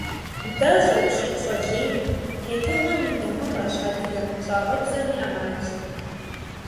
Дэ щӀопщыр пщӀэ лейм, тетыгъуэм и дамыгъэщ, адыгэ щӀагъыбзэм и Ӏэмалщ.